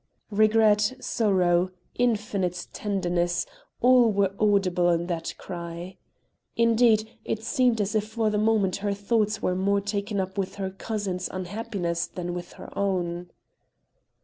Regret, sorrow, infinite tenderness, all were audible in that cry. Indeed, it seemed as if for the moment her thoughts were more taken up with her cousin's unhappiness than with her own.